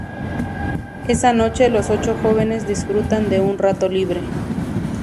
Esa noche los ocho jóvenes disfrutan de un rato libre.